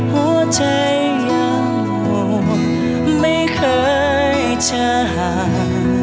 หัวใจยังไม่เคยจะห่าง